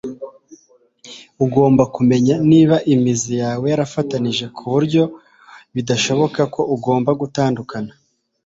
Ugomba kumenya niba imizi yawe yarafatanije ku buryo bidashoboka ko ugomba gutandukana. ”